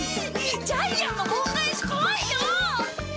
ジャイアンの恩返し怖いよ。